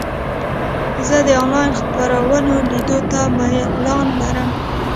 زه د انلاین خپرونو لیدو ته میلان لرم.